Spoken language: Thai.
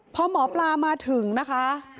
พอหมอปลามาถึงนะคะ